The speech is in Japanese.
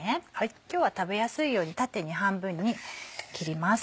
今日は食べやすいように縦に半分に切ります。